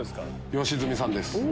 良純さんです。